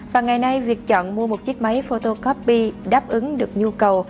và ngày nay việc chọn mua một chiếc máy photocopy đáp ứng được nhu cầu